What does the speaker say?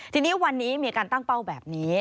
ทีนี้วันนี้มีการตั้งเป้าแบบนี้